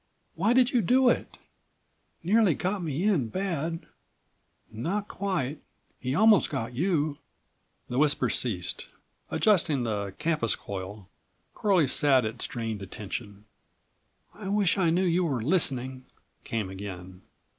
Why did you do it? Nearly got me in bad. Not quite. He almost got you." The whisper ceased. Adjusting the campus coil Curlie sat at strained attention. "I wish I knew you were listening," came again.